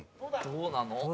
どうなの？